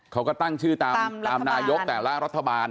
เขาก็ตั้งชื่อตามนายกแต่ละรัฐบาล